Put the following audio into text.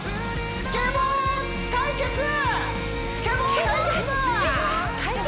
スケボー対決！